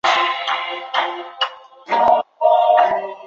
目前该校设有高中部及国中部。